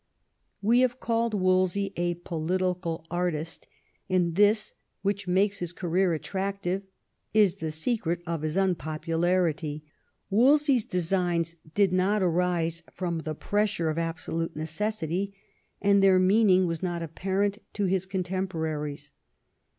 We have called Wolsey a political artist : and this, which makes his career attractive, is the secret of his unpopularity. Wolsey's designs did not arise from the pressure of absolute necessity, and their meaning was not apparent to his contemporaries.